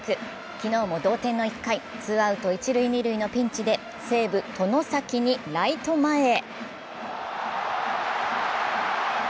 昨日も同点の１回、ツーアウト、一・二塁のピンチで西武・外崎にライト前へ。